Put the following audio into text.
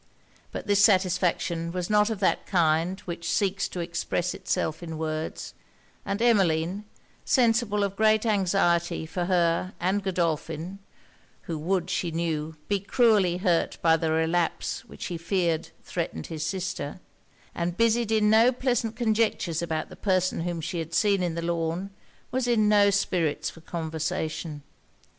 But this satisfaction was not of that kind which seeks to express itself in words; and Emmeline, sensible of great anxiety for her and Godolphin, (who would, she knew, be cruelly hurt by the relapse which he feared threatened his sister) and busied in no pleasant conjectures about the person whom she had seen in the lawn, was in no spirits for conversation.